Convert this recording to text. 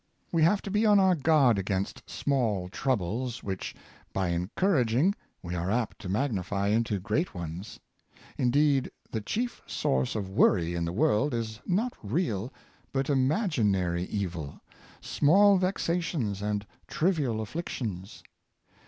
We have to be on our guard against small troubles, which, by encouraging, we are apt to magnify into great ones. Indeed, the chief source of worry in the world is not real but imaginary evil — small vexations and trivial afflictions.